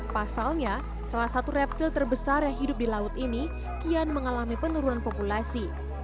pasalnya salah satu reptil terbesar yang hidup di laut ini kian mengalami penurunan populasi